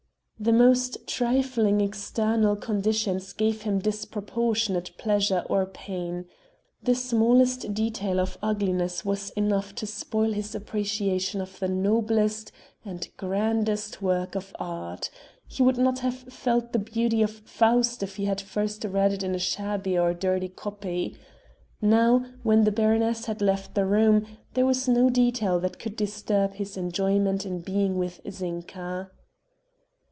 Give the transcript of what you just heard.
The most trifling external conditions gave him disproportionate pleasure or pain. The smallest detail of ugliness was enough to spoil his appreciation of the noblest and grandest work of art; he would not have felt the beauty of Faust if he had first read it in a shabby or dirty copy. Now, when the baroness had left the room, there was no detail that could disturb his enjoyment in being with Zinka.